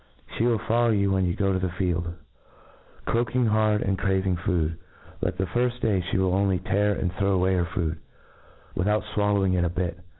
She will follow you when you go to the field, croak ing hard and craving food ; but the firft day fhe will only tear and throw away her food, with out fwallowing a bit.